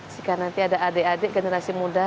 jika nanti ada adik adik generasi muda